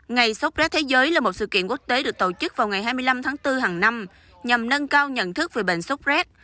ngày sốc rét thế giới là một sự kiện quốc tế được tổ chức vào ngày hai mươi năm tháng bốn hàng năm nhằm nâng cao nhận thức về bệnh sốc rét